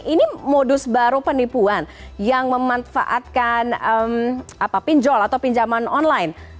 ini modus baru penipuan yang memanfaatkan pinjol atau pinjaman online